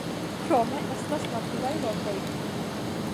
Krome estas naturaj lokoj.